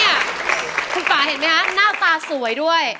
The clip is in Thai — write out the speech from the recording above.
คุณป่าเห็นไหมคะหน้าตาสวยด้วย